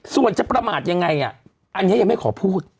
ส่วนจะประมาทยังไงอันนี้ยังไม่ขอพูด